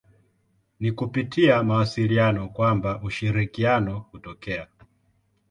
Ni kupitia mawasiliano kwamba ushirikiano hutokea.